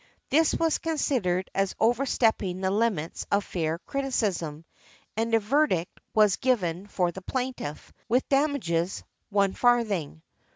This was considered as overstepping the limits of fair criticism, and a verdict was given for the plaintiff, with damages, one farthing .